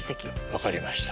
分かりました。